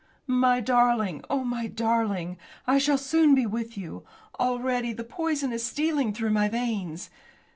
"My darling! Oh, my darling! I shall soon be with you. Already the poison is stealing through my veins.